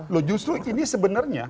loh justru ini sebenarnya